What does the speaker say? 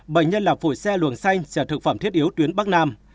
bệnh nhân là phủi xe luồng xanh trả thực phẩm thiết yếu tuyến bắc nam